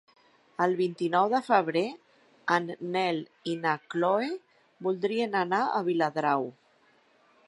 El vint-i-nou de febrer en Nel i na Chloé voldrien anar a Viladrau.